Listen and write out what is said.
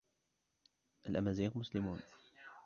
الأمازيغ مسلمون.